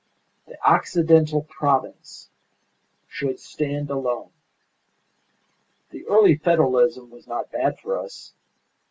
The Occidental Province should stand alone. The early Federalism was not bad for us.